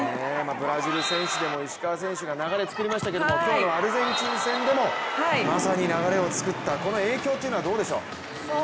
ブラジル戦でも石川選手が流れつくりましたけど今日のアルゼンチン戦でもまさに流れを作った、この影響というのはどうでしょう？